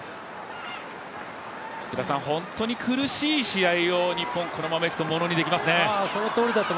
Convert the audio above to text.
本当に苦しい試合を日本、このままいくと、ものにできますね。